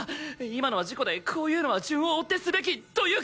今のは事故でこういうのは順を追ってすべきというか！